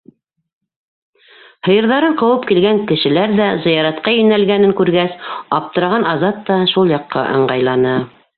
Һыйырҙарын ҡыуып килгән кешеләр ҙә зыяратҡа йүнәлгәнен күргәс, аптыраған Азат та шул яҡҡа ыңғайланы.